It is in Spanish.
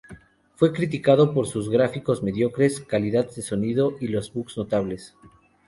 Fue criticado por sus "gráficos mediocres", calidad de sonido, y los Bugs notables.